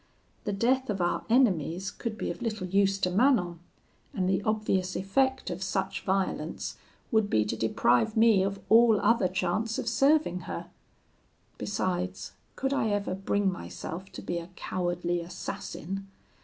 The death of our enemies could be of little use to Manon; and the obvious effect of such violence would be to deprive me of all other chance of serving her. Besides, could I ever bring myself to be a cowardly assassin?